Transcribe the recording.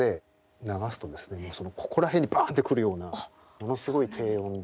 ここら辺にバンって来るようなものすごい低音で。